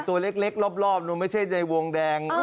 ตัวเล็กรอบไม่ใช่ใยวงแดง